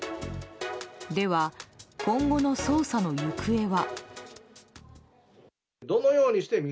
では、今後の捜査の行方は？